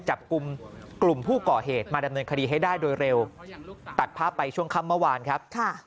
จับกลุ่มกลุ่มผู้ก่อเหตุมาดำเนินคดีให้ได้โดยเร็วตัดภาพไปช่วงค่ำเมื่อวานครับ